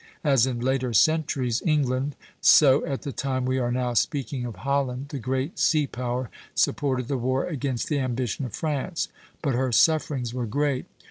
As in later centuries England, so at the time we are now speaking of Holland, the great sea power, supported the war against the ambition of France; but her sufferings were great.